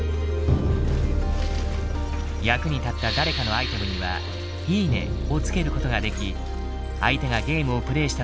役に立った誰かのアイテムには「いいね」をつけることができ相手がゲームをプレイした時に